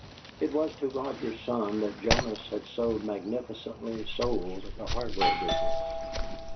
(It was to Roger's son that Jonas had so magnificently sold the hardware business.)